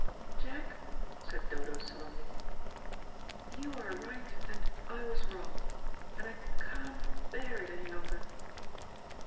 "Jack," said Dodo solemnly, "you are right, and I was wrong. And I can't bear it any longer."